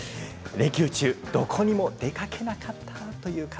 連休中どこにも出かけなかったという方